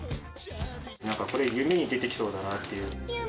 なんかこれ、夢に出てきそうだなっていう。